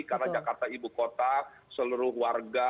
kita ibu kota seluruh warga